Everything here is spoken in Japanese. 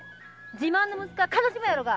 自慢の息子が悲しむやろが。